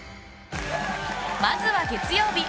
まずは月曜日。